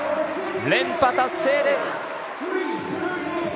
連覇達成です！